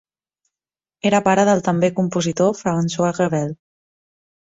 Era pare del també compositor François Rebel.